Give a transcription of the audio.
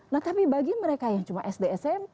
nah tapi bagi mereka yang cuma sd smp